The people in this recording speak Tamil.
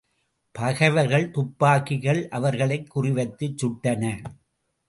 பகைவர்கள் துப்பாக்கிகள் அவர்களைக் குறிவைத்துச் சுட்டன.